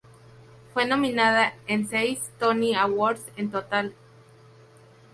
Fue nominada a seis Tony Awards en total.